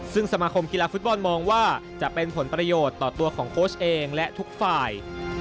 ซึ่งสมาคมกีฬาฟุตบอลมองว่าจะเป็นผลประโยชน์ต่อตัวของโค้ชเองและทุกฝ่าย